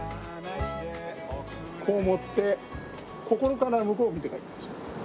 こう持ってここから向こうを見て描いています。